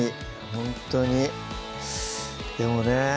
ほんとにでもね